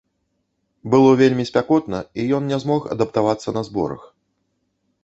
Было вельмі спякотна, і ён не змог адаптавацца на зборах.